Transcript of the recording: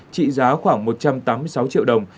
trị giá khoảng một trăm tám mươi sáu triệu đồng